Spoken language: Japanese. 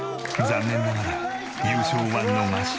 残念ながら優勝は逃し。